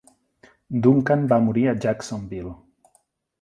Duncan va morir a Jacksonville.